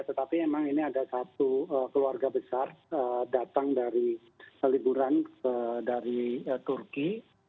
tetapi memang ini ada satu keluarga besar datang dari liburan dari turki